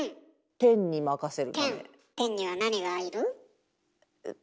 天には何がいる？